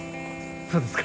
そうですか。